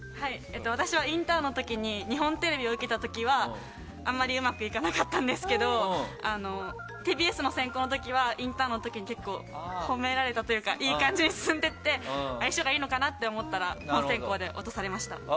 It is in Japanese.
私はインターンの時に日本テレビを受けた時は、あまりうまくいかなかったんですけどＴＢＳの選考の時はインターンの時に結構褒められたというかいい感じに進んでいって相性がいいのかなと思ったら本選考で落とされました。